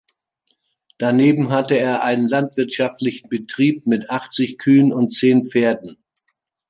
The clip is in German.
Daneben hatte er einen landwirtschaftlichen Betrieb mit achtzig Kühen und zehn Pferden.